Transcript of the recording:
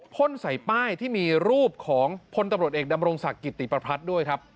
พ่นใส่ป้ายที่มีรูปของพลตำรวจเอกดำรงศักดิ์กิติประพัฒน์ด้วยครับ